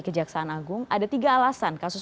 kejaksaan agung ada tiga alasan kasus